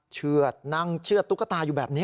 เชื่อดนั่งเชื่อดตุ๊กตาอยู่แบบนี้